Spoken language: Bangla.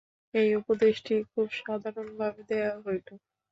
এই উপদেশটি খুব সাধারণভাবে দেওয়া হইল।